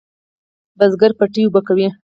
بزگر پټی اوبه کوي.